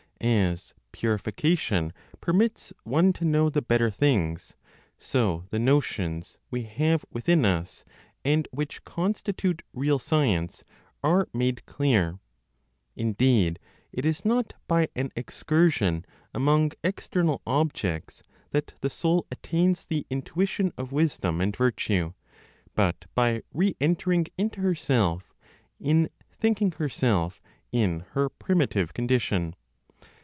As purification permits one to know the better things, so the notions we have within us, and which constitute real science, are made clear. Indeed, it is not by an excursion among external objects that the soul attains the intuition of wisdom and virtue, but by re entering into herself, in thinking herself in her primitive condition.